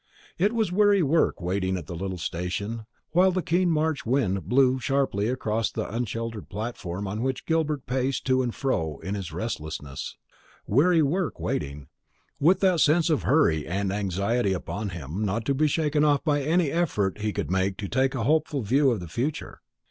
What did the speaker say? It was weary work waiting at the little station, while the keen March wind blew sharply across the unsheltered platform on which Gilbert paced to and fro in his restlessness; weary work waiting, with that sense of hurry and anxiety upon him, not to be shaken off by any effort he could make to take a hopeful view of the future.